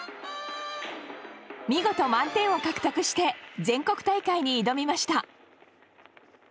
見事満点を獲得して全国大会に挑みました。